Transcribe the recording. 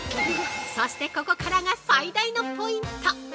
そして、ここからが最大のポイント。